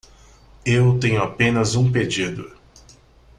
Eu tenho apenas um pedido